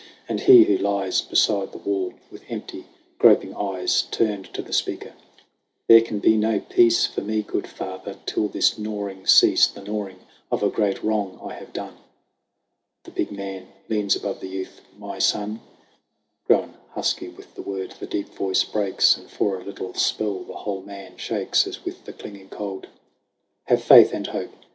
And he who lies Beside the wall, with empty, groping eyes Turned to the speaker: "There can be no peace For me, good Father, till this gnawing cease The gnawing of a great wrong I have done." The big man leans above the youth : "My son " (Grown husky with the word, the deep voice breaks, And for a little spell the whole man shakes As with the clinging cold) " have faith and hope!